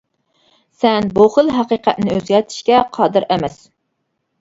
سەن بۇ خىل ھەقىقەتنى ئۆزگەرتىشكە قادىر ئەمەس.